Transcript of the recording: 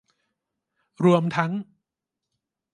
รวมทั้ง